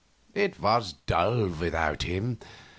It was dull without him.